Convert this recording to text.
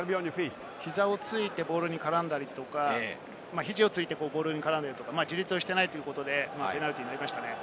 膝をついてボールに絡んだりとか、肘をついてボールに絡んだりとか、自立をしていないということでペナルティーになりましたね。